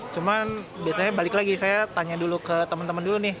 cuman biasanya balik lagi saya tanya dulu ke teman teman dulu nih